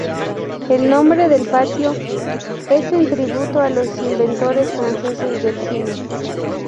El nombre del patio es en tributo a los inventores franceses del cine.